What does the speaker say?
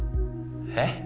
えっ？